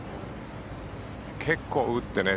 結構打ってね。